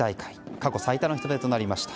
過去最多の人出となりました。